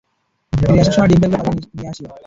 ফিরে আসার সময়, ডিম্পলকে পালিয়ে নিয়ে আসিও।